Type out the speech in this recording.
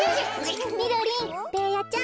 みろりんベーヤちゃん。